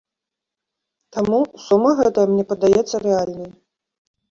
Таму, сума гэтая мне падаецца рэальнай.